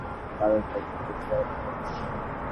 বিষয়টি নিয়ে সরকার নতুন করে কারও সঙ্গে বিতর্কে জড়াতে চাইছে না।